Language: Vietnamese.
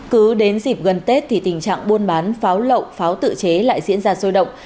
cứ đến dịp gần tết thì tình trạng buôn bán pháo lậu pháo tự chế lại diễn ra sôi động